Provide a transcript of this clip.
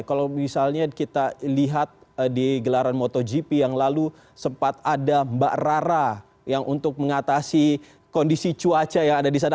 kalau misalnya kita lihat di gelaran motogp yang lalu sempat ada mbak rara yang untuk mengatasi kondisi cuaca yang ada di sana